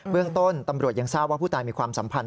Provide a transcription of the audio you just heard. เรื่องต้นตำรวจยังทราบว่าผู้ตายมีความสัมพันธ